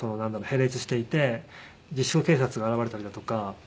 並列していて自粛警察が現れたりだとか。